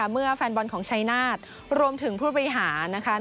เมื่อแฟนบอลของชัยนาฏรวมถึงผู้บริหารนะคะ